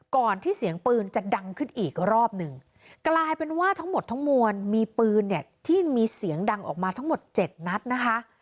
ก่อนที่เสียงปืนจะดังขึ้นอีกรอบหนึ่งกลายเป็นว่าทั้งหมดทั้งมวลมีปืนเนี่ยที่มีเสียงดังออกมาทั้งหมดเจ็ดนัดนะคะ